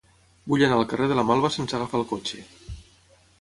Vull anar al carrer de la Malva sense agafar el cotxe.